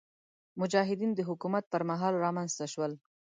مجاهدینو د حکومت پر مهال رامنځته شول.